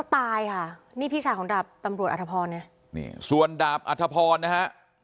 ตายค่ะนี่พิชาของดาบตำรวจอัฐพรส่วนดาบอัฐพรนะฮะ